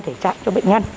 thể trạng cho bệnh nhân